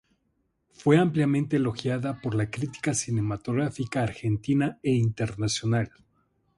Fue ampliamente elogiada por la crítica cinematográfica argentina e internacional.